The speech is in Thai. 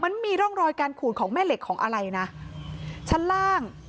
มันมีร่องรอยการขูดของแม่เหล็กของอะไรนะชั้นล่าง